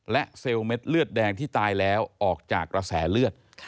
และเซลล์เม็ดเลือดแดงที่ตายแล้วออกจากกระแสเลือด